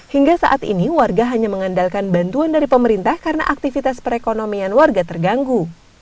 hingga saat ini warga hanya mengandalkan bantuan dari pemerintah karena aktivitas perekonomian warga terganggu